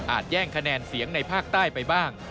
แย่งคะแนนเสียงในภาคใต้ไปบ้าง